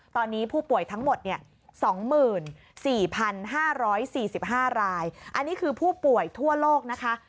ตอนนี้ผู้ป่วยทั้งหมด๒๔๕๔๕รายอันนี้คือผู้ป่วยทั่วโลกนะคะ